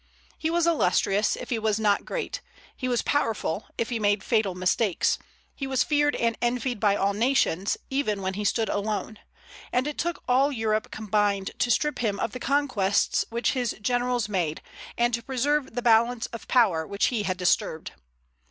He was illustrious, if he was not great; he was powerful, if he made fatal mistakes; he was feared and envied by all nations, even when he stood alone; and it took all Europe combined to strip him of the conquests which his generals made, and to preserve the "balance of power" which he had disturbed.